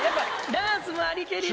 ダンスもありけりで。